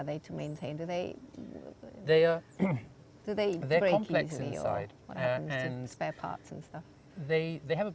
mereka memiliki sekitar berat